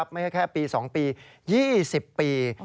ไม่ใช่แค่ปี๒ปี๒๐ปี